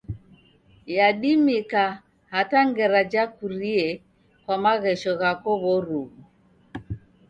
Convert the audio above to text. Yadimika hata ngera jakurie kwa maghesho ghako w'oruw'u.